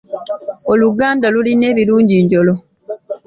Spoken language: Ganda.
Oluganda lulina ebirungi njolo.